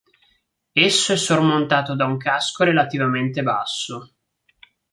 Esso è sormontato da un casco relativamente basso.